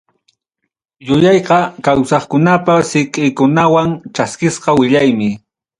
Yuyayqa kawsaqkunapa siqikunawan chaskisqa willaymi.